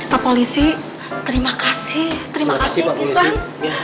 pak polisi terima kasih terima kasih nisan